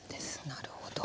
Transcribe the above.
なるほど。